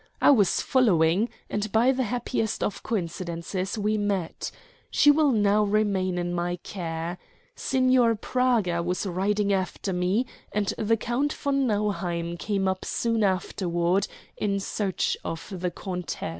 I was following, and by the happiest of coincidences we met. She will now remain in my care. Signor Praga was riding after me, and the Count von Nauheim came up soon afterward in search of the countess.